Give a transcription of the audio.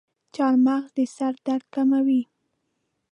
چارمغز د سر درد کموي.